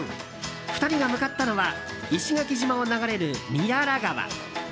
２人が向かったのは石垣島を流れる宮良川。